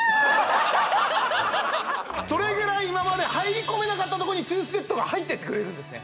それぐらい今まで入り込めなかったとこにトゥースジェットが入ってってくれるんですね